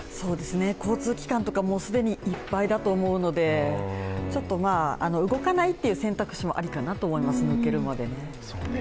交通機関とかもう既にいっぱいだと思うので、ちょっと、動かないっていう選択肢もありだと思います抜けるまで。